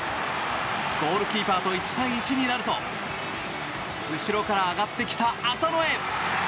ゴールキーパーと１対１になると後ろから上がってきた浅野へ。